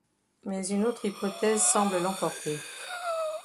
Mais une autre hypothèse semble l'emporter.